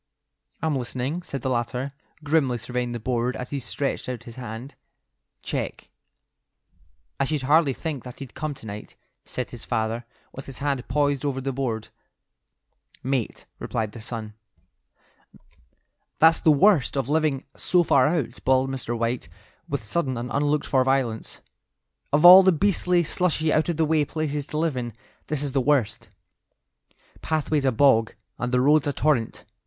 "I'm listening," said the latter, grimly surveying the board as he stretched out his hand. "Check." "I should hardly think that he'd come to night," said his father, with his hand poised over the board. "Mate," replied the son. "That's the worst of living so far out," bawled Mr. White, with sudden and unlooked for violence; "of all the beastly, slushy, out of the way places to live in, this is the worst. Pathway's a bog, and the road's a torrent.